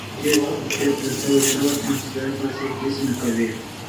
که چیرې تر ټولو ښه وخت ته انتظار باسئ هیڅ نه کوئ.